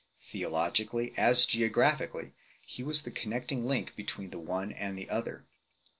Theologically, as geographically, he was the connecting link between the one and the other.